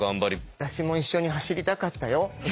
私も一緒に走りたかったよ。